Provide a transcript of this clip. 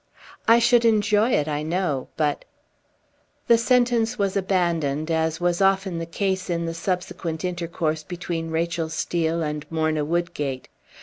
"I should enjoy it, I know. But " The sentence was abandoned as was often the case in the subsequent intercourse between Rachel Steel and Morna Woodgate.